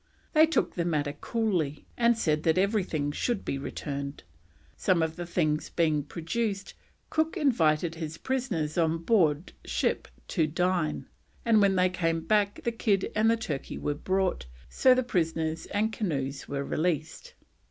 They took the matter coolly, and said that everything should be returned. Some of the things being produced, Cook invited his prisoners on board ship to dine, and when they came back the kid and a turkey were brought, so the prisoners and canoes were released.